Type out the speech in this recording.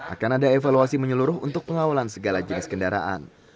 akan ada evaluasi menyeluruh untuk pengawalan segala jenis kendaraan